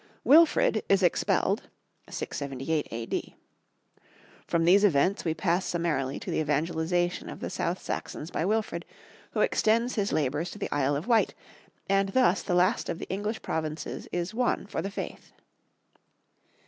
Wilfrid is expelled (678 A.D.). From these events we pass summarily to the evangelization of the South Saxons by Wilfrid, who extends his labours to the Isle of Wight, and thus the last of the English provinces is won for the faith.